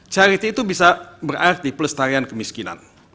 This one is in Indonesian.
charity itu bisa berarti pelestarian kemiskinan